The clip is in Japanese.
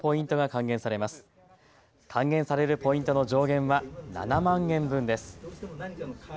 還元されるポイントの上限は７万円分です。